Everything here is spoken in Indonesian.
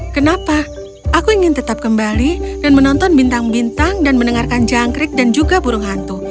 kenapa aku ingin tetap kembali dan menonton bintang bintang dan mendengarkan jangkrik dan juga burung hantu